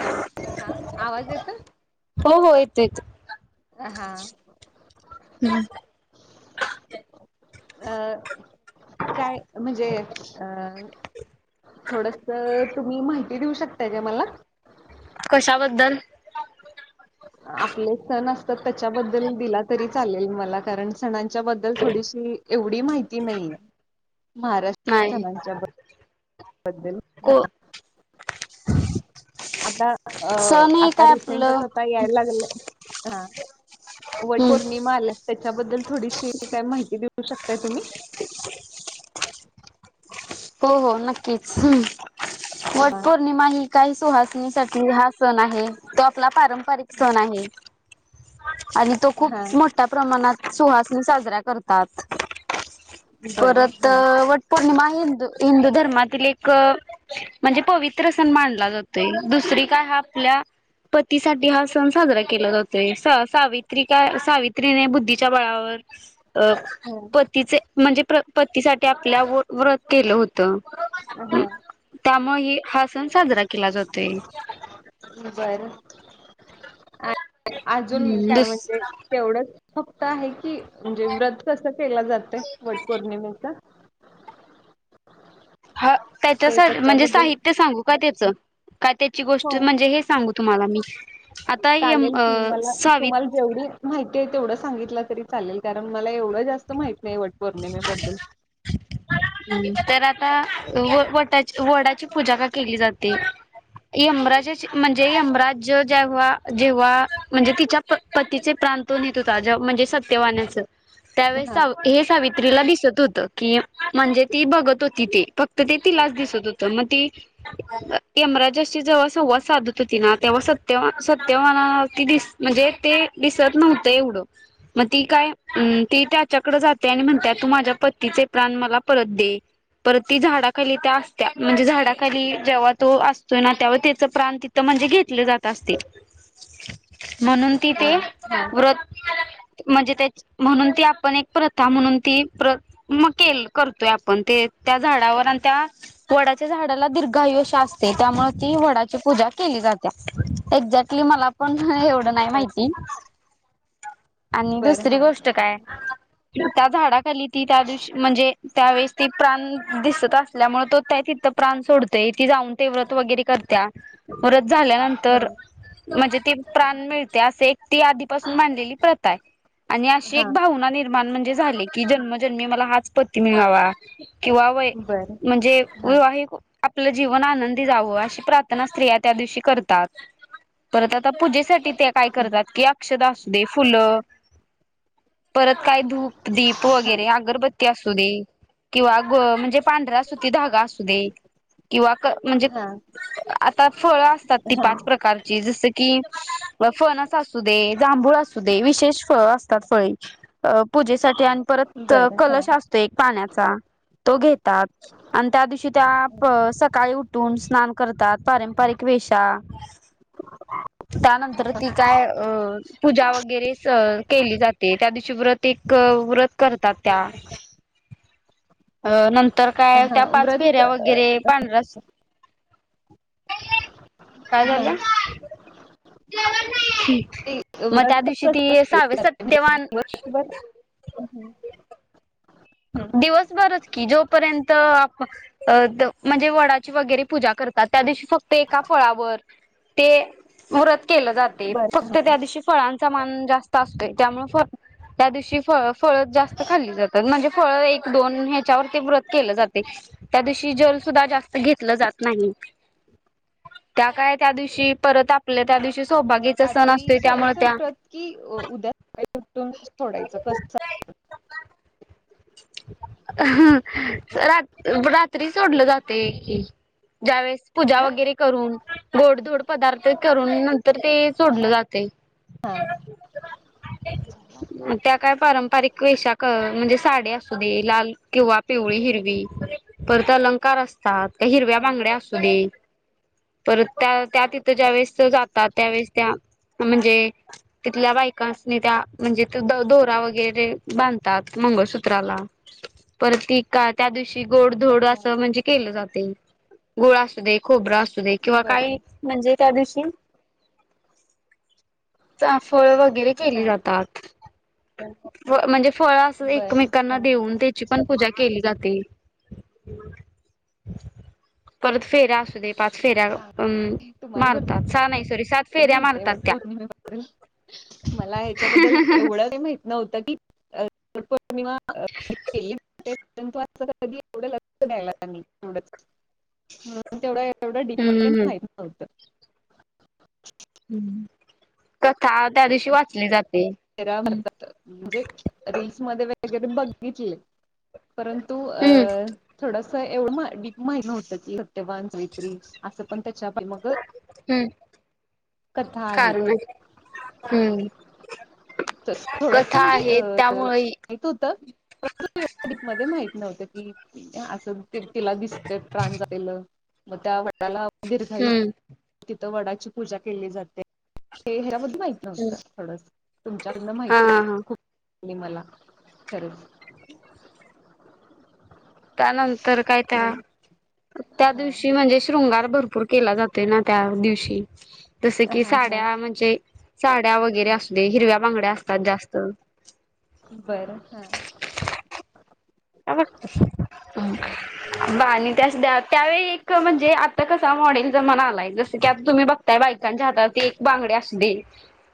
Hello, हा आवाज येतोय? हो हो, येतोय येतोय. हा अ काय म्हणजे अ थोडस तुम्ही माहिती देऊ शकताय का मला? कशाबद्दल? आपले सण असतात त्याच्याबद्दल दिला तरी चालेल मला कारण सणांच्याबद्दल थोडीशी एवढी माहिती नाही, महाराष्ट् नाही, बद्दल को आता अ, सण हे आता काय आपलं रिसेंटच आता यायला लागलंय, हा. हम्म वटपौर्णिमा आल्यात, त्याच्याबद्दल थोडीशी काय माहिती देऊ शकताय तुम्ही? हो हो नक्कीच, हम्म हा वटपौर्णिमा ही काही सुहासनीसाठी हा सण आहे, तो आपला पारं पारिक सण आहे आणि तो हा खूप मोठ ठ्या प्रमाणात सुहासनी साजऱ्या करतात, बरं परत हा अ वट पौर्णिमा हिंदू हिंदू धर्मातील एक अ म्हणजे पवित्र सण मानला जातोय, दुसरी काय ह आपल्या पतीसाठी हा सण साजरा केला जातोय, स सावित्री काय सावित्रीने बुद्धीच्या बळावर अ हा पतीचे म्हणजे प्र पतीसाठी आपल्या व व्रत केलं होत. त हा त्यामुळे हि हा सण साजरा केला जातोय. बर आणि अजून काय दुस म्हणजे? तेवढंच फक्त आहे की, म्हणजे व्रत कसं केलं जातय वट पौर्णिमेचा? [unintelligible] ह त्याच म्हणजे साहित्य सांगू का त्याचं, का त्याची हो गोष्ट म्हणजे हे सांगू तुम्हाला मी, आता यम चालेल अ की मला तुम्हाला सावित जेवढी माहिती आहे तेवढं सांगितलं तरी चालेल कारण, मला एवढं जास्त माहित नाही वट पौर्णिमेबद्दल हम्म, तर आता वटाची वडाची पूजा का केली जाते? यमराजाची म्हणजे यमराज्य ज जेव्हा जेव्हा म्हणजे तिच्या पतीचे प्राण तो नेत होता जेव्हा म्हणजे सत्यवानाच त्यावेळेस हा साव हे सावित्रीला दिसत हुत की म्हणजे ती बघत होती ती फक्त ते तिलाच दिसत होत मग ती यमराजाशी जेव्हा संवाद साधत होती ना तेव्हा सत्यवान सत्यवानाला ती दिस म्हणजे ते दिसत नव्हतं एवढं मग ती काय अ ती त्याच्याकड जाते आणि म्हणत्या तू माझ्या पतिचे प्राण मला परत दे परत ती झाडाखाली त्या असत्या म्हणजे झाडाखाली जेव्हा तो असतोय ना तेव्हा त्याच प्राण तिथ म्हणजे घेल जात असतील म्हणून ती हा ते हा व्रत म्हणजे त्याची म्हणून ती आपण एक प्रथा म्हणून ती प्र मग केल करतोय आपण ते त्या झाडावर आणि त्या वडाच्या झाडाला दीर्घायु ष्य असतय त्यामूळ ती वडाची पूजा केली जात्या एक्साक्टली मला पण पण एवढं नाही माहिती बर आणि बर हा दुसरी गोष्ट हा काय त्या झाडाखाली ती त्या दिवशी म्हणजे त्यावेेळेस ती प्राण दिसत असल्यामुळे तो त्या तिथं प्राण सोडत ती जाऊन ते व्रत वगैरे करत्या व्रत झाल्यानंतर हम्म, म्हणजे ते प्राण मिळते अस. ती आधीपासून मांधलेली प्रथा आहे आणि अशी हा एक भावना निर्माण म्हणजे झाले की जन्म. जन्मी मला हाच पती मिळावा किंवा होय बर म्हणजे हा विवाहिक. आपले जीवन आनंदी जावं अशी प्रार्थना स्त्रिया त्या दिवशी करतात परत आता पूजे. साठी ते काय करतात की अक्षदा असू दे फुलं. परत काय धूप दीप हा वगैरे अगरबत्ती असू दे किंवा घो म्हणजे. पांढरा सुती धागा असू दे किंवा क म्हणजे. हा आता फळं असतात ती हा पाच प्रकारची जसे. कि फणस असू दे जांभूळ असू दे विशेष. फळ असतात फळी अ पूजेसाठी आणि परत बर हा कलश असतो एक पाण्याचा. तो घेतात. आणि त्या दिवशी त्या सकाळी उठून स्नान करतात पारंपारिक वेषा. [unintelligible] त्यानंतर ती काय अ पूजा वगैरे केली जाते त्या दिवशी व्रत. ते व्रत करतात त्या अ न. तर काय हा त्या पाच व्रत फेऱ्या अ, वगैरे पांजस. नमस्कार काय हा झालं. जेवण नाई हे ते मग त्या व्रत दिवशी ती कसं केलं सावि सत्यवान. अ हम्म. हम्म, दिवसभरच कि जोपर्यंत आप. अ त म्हणजे वडाची वगैरे पूजा करतात त्या दिवशी फक्त एका फळावर. ते व्रत केलं जाते बर फक्त. तर त्या दिवशी फळांचा मान जास्त असतोय त्यामुळे फ त्या दिवशी फळ फळं जास्त खाल्ली जातात म्हणजे. फळ एक दोन ह्याच्यावरती ते व्रत केलं जातय. त्या दिवशी जल सुद्धा जास्त घेतलं जात नाही. त्या काय त्या दिवशी परत आपल्या त्या दिवशी सौभागेचा सण असतोय त्यामुळे त्या. कि उद्या सकाळी सोडायचं कस. हा रात रात्री सोडलं जातय की. ज्यावेळेस. पूजा वगैरे करून गोडधोड पदार्थ करून नंतर ते सोडलं जातेय. हा [unintelligible] त्या काय पारंपरिक वेशाख म्हणजे साडी असू दे लाल किंवा पिवळी हिरवी परत अलंकार अस. आ त्या हिरव्या हा बांगड्या असू दे. परत त्या त्या तिथं ज्यावेेळेस जातात त्यावेेळेस त्या म्हणजे तिथल्या बायकांसनी त्या म्हणजे दोरा वगैरे बांधतात मंगळसूत्र. त्राला परती त्या दिवशी गोड दोड हा अस म्हणजे केलं जाते गुळ असू दे खोबरं असू दे किंवा बर काही म्हणजे त्या दिवशी. चहा फळं वगैरे केली हा जातात म्हणजे फळ असं बर एकमेक हा नदी होऊन त्याची पण पूजा केली जाते. परत फेऱ्या असु दे पाच फेऱ्या. चांग अम तुम्हाला भरपूर मारतात सहा नाही सॉरी सात फेऱ्या माहिती आहे मारतात वट त्या. पौर्णिमेबद्दल मला ह्याच्याबद्दल एवढं नाय माहि. नव्हतं की प अ पोर्णिमा अ निवांत. पन तु [unintelligible] तेवढं तेवढं डीप म [unintelligible] हम्म हम् म्हाईत नव्हतं. कथा, त्या दिवशी वाचली जाते हम्म ात [unintelligible] [unintelligible] म्हणजे रीलस मध्ये वगरे बघते कीं परंतु अ हम्म थोडसं एवढं डीप माहित न्हवतं की सत्यवान सावित्री असं पण त्याच्या पण मग, कथा आहे कारण ती. हम्म तसं थोडस कथा म्हणजे अ आहेत अ त्यामुळे होतं [unintelligible] डीपमधेमाहित न्हवतं की असं [inaudible] तें तिला दिसते प्राण जायलं मग त्या वटाला दीर्घ आयु हम्म तिथं वडाची पूजा केली जाते, ते हिलाप माहित नव्हत थोडसं तुमच्याकडनं हा माहिती हा हा खूप ली मला, खरंच [inaudible] त्यानंतर काय त्या, आणि त्या दिवशी हा मंजिश शृंगार भरपूर केला जातोय ना त्या दिवशी? तसं की हा हा साड्या म्हंजे साड्या वगरे असतंय, हिरव्या बांगड्या असतात जास्त बरं, हं [inaudible] बा [unintelligible] त त्यावेळी एक आत्ता कसा मॉडेल जमाणा आलाय जस की आता तुम्ही बघ त्या बायकांच्या हातात ते एक बांगडे असतें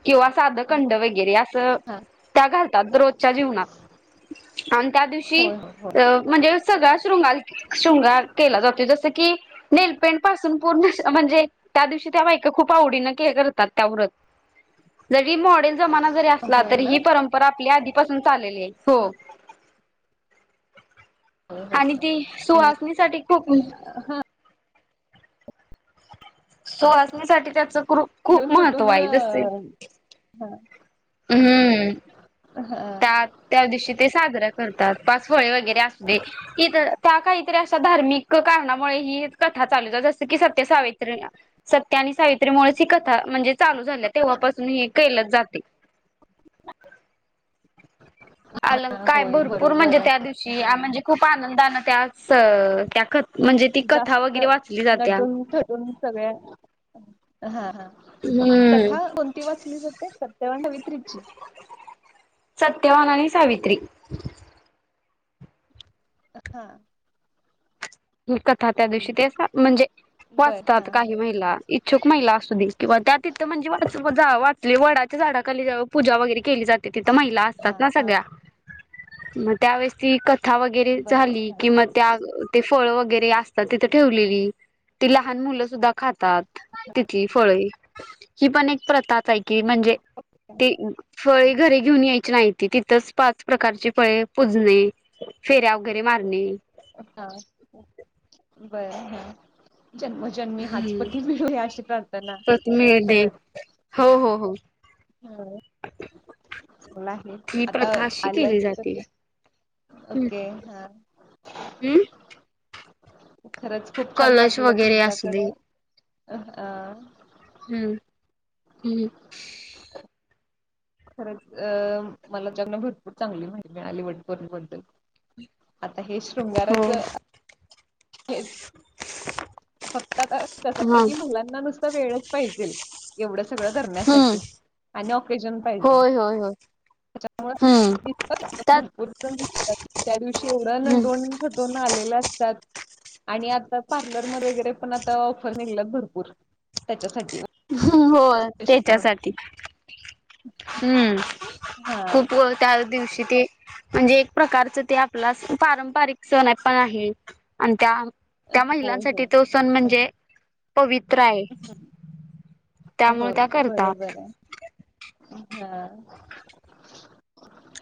किंवा साधं कंड वगरे असं हा त्या घालतात, रोजच्या जीवनाात आणि त्या दिवशी होय होय अ म्हणजे सगळा शृंगाल शृंगार केला जातोय, जसं की नेलपेंड पासून पूर्णश म्हणजे त्या दिवशी त्या बाईका खूप आवडीनं खेर करतात त्या व्रत जरी मॉड जरी जमाना होय असला होय तरी ना ही परंपरा आपली आधीपासून चाललेली आहे. हो. होय आणि होय ती आणि सुहासनीसाठी खूप सोहासणीसाठी त्याचं क्रू [unintelligible] हम्म. हा त्यात त्या दिवशी ते साजरा करतात पाच फळे वगरे अस दे. इतं, त्या काहीतरी अशा धार्मिक कारणामुळे ही कथा चालूतात जसं की सत्य सावित्रीला. सत्य आणि सावित्रीमुळेच ही कथा म्हणजे चालू झाल्या तेव्हापासून हे केलं जात [inaudible] अलं काय होय भरपूर बरोबर म्हणजे त्या दिवशी म्हणजे खूप आनंदानं त्या त्यासच त्या कर म्हणजे ती आहे कथा जास्त वगेरे वाचली जात्या. [unintelligible] सगळ्या हा हा, हम्म. कथा को ती वाचली जाते सत्यवान सावित्रीची सत्यवान आणि सावित्री. अ आ कु कथा त्या दिवशी ते म्हणजे बर हा वाचतात हा काही महिला. इच्छुक महिला असू दे किंवा त्या तिथं म्हणजे वाच जा वाचले वडाच्या झाडाखाली जाऊ पूजा वगरे केली जाते तिथं महिला असतात हा ना हा सगळ्या, म त्यावेेळेस ती क था वगरे बर झाली हा किं म त्याग फळ वगेरे असतात तिथे ठेवलेली, ती लहान मुलं सुधा खातात तिथली फळे ही पण एक प्रथाच कि म्हणजे ती फळे घरी घेऊन यायची नाहीत ती तिथंच पाच प्रकारचे फळे पूजणे, फेऱ्या वगैरे मारणे. हा बरं जन्मो जन्मी हाच हम्म पती मिळो अशी प्रार्थना परत मिळणे करत हो हो हो. चांगला आहे ही आता प्रथा आशी आल्यास केली तर जाते. हम्म ओके हा हम्म खरंच खूप छान कलश वाटलं वगैरे असू दे तुमच्याकडं अ हम्म हम्म. खरंच अं मला तुमच्याकडंन भरपूर चांगली माहिती मिळाली वटपौर्णिमेबद्दल. आता हे हो शृंगाराचं हेच [inaudible] फक्त आता कसं आहे हा की महिलांना नुसतं वेळच पाहिजेल. एवढं सगळं हम्म धरण्यासाठी आणि ऑकेजन पाहिजे. होय होय होय हम्म त्याच्यामूळं [unintelligible] त्यात भरपूर [unintelligible] त्या दिवशी एवढं ना नटून थटून आलेल्या असतात आणि आता पार्लर म वगैरे पण आता ऑफर निघला भरपूर त्याच्यासाठी. हो हो स्पेशल म्हणून. त्याच्यासाठी. हम्म हा खूप ग त्या दिवशी ते म्हणजे एक प्रकारचं ते आपला पारंपारिक सण पण आहे आणि त्या त्या होय महिलांसाठी होय. तो सण म्हणजे हा, पवित्र आहे. त्यामुळे होय त्या करतात. बरोबर आहे हा.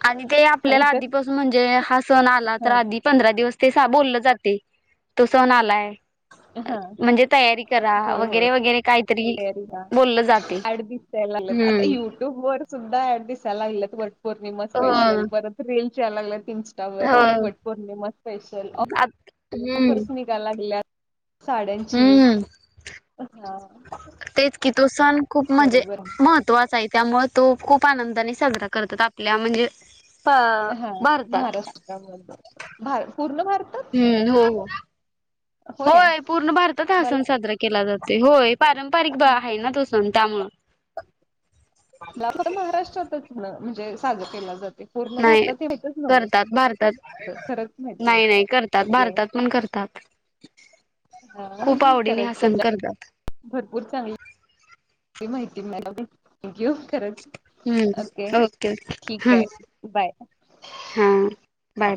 आणि ते मला आपल्याला तर आधीपासून म्हणजे हा सण आला हा तर आधी पंधरा दिवस ते बोललं जाते, तो सण आलाय. हा म्हणजे तयारी करा होय होय वगैरे वगैरे काहीतरी बोललं जाते. त्या याय लागलेत आता हम्म ही यूट्यूब वर सुद्धा ऍड दिसायला लागल्यात वटपौर्णिमा हो स्पेशल, परत रिल्स यायला लागल्यात इंस् टावर हो वटपौर्णिमा स्पेशल ऑ हम्म फर्स निघायला लागल्यात साड्यांचे. हम्म हा. तेच की तो सण खूप म्हणजे बरोबर महत्त्वाचा आहे. त्यामुळे तो खूप आनंदाने साजरा करतात, आपल्या म्हणजे प हा भारतात महाराष्ट्रामध्ये भार पूर्ण भारत हम्म हो हो, होय पूर्ण भारतात हा सण मला साजरा केला जातोय होय. पारंपरिक आहे ना तो सण त्यामुळं. आपल्या महाराष्ट्रातच ना म्हणजे साजर केला जाते. पूर्ण नाही भारतात ते माहितचं करतात भारतात नव्हतं, खरंच माहित नाही नव्हतं. नाही करतात ओके. भारतात पण करतात हा खूप आवडीने हा खरंच सण तुमच्या करतात [unintelligible] भरपूर चांगली माहिती मिळाली, थँक्यू खरंच. ओके हम्म ओके ठीक हा आहे बाय. हा हा. Bye bye